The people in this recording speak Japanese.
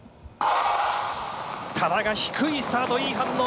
多田が低いスタート、いい反応。